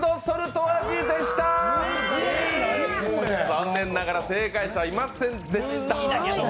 残念ながら、正解者はいませんでした。